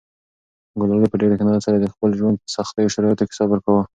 ګلالۍ په ډېر قناعت سره د خپل ژوند په سختو شرایطو کې صبر کاوه.